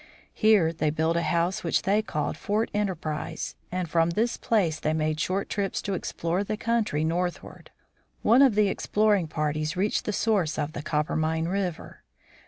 Here they built a house which they called Fort Enterprise, and from this place they made short trips to explore the country northward. One of the exploring parties reached the source of the Coppermine river.